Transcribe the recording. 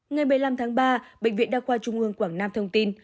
ngày một mươi năm tháng ba bệnh viện đa khoa trung ương quảng nam thông tin